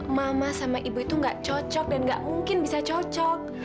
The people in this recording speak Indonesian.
mama sama ibu itu gak cocok dan gak mungkin bisa cocok